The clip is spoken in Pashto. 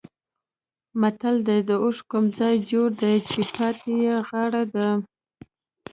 متل دی: د اوښ کوم ځای جوړ دی چې پاتې یې غاړه ده.